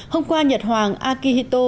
hôm qua nhật hoàng akihito